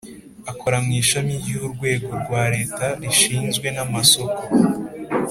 Akora mu ishami ry’urwego rwa Leta rishinzwe n’amasoko